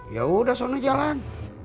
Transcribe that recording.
ya udah sana jalan